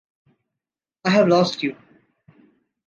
i have lost you